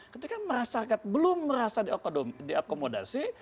ketika masyarakat belum merasa diakomodasi